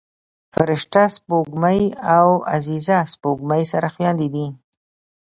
فرشته سپوږمۍ او عزیزه سپوږمۍ سره خویندې دي